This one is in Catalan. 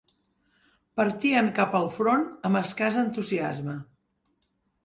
Partien cap al front amb escàs entusiasme.